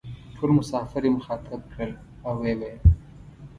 ټول مسافر یې مخاطب کړل او وې ویل: